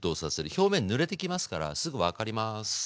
表面ぬれてきますからすぐ分かります。